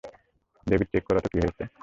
David, check করো তো কি হয়েছে!